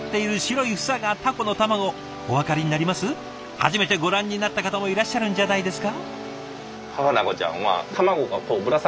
初めてご覧になった方もいらっしゃるんじゃないですか？